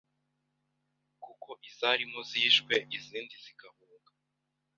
kuko izarimo zishwe izindi zigahunga